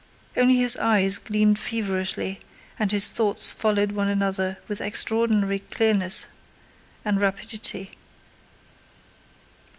Only his eyes gleamed feverishly and his thoughts followed one another with extraordinary clearness and rapidity.